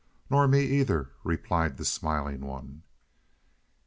"Nor me, either," replied the Smiling One.